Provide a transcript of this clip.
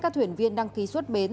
các thuyền viên đăng ký xuất bến